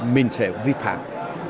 mình sẽ vi phạm